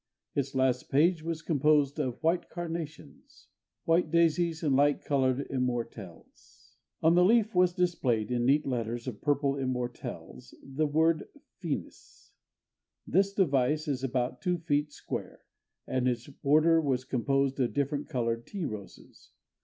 Its last page was composed of white carnations, white daisies and light colored immortelles. On the leaf was displayed, in neat letters of purple immortelles, the word "Finis." This device was about two feet square, and its border was composed of different colored tea roses.